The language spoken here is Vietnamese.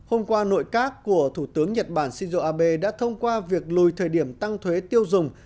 hôm qua nội các của thủ tướng nhật bản shinzo abe đã thông qua việc lùi thời điểm tăng thuế tiêu dùng